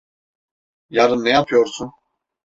Yarın ne yapıyorsun?